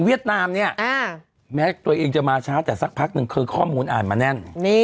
นามเนี่ยแม้ตัวเองจะมาช้าแต่สักพักหนึ่งคือข้อมูลอ่านมาแน่น